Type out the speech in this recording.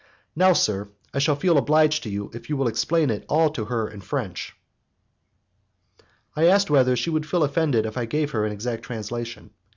Now, sir, I shall feel obliged to you if you will explain it all to her in French." I asked her whether she would feel offended if I gave her an exact translation.